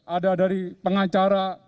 ada dari pengacara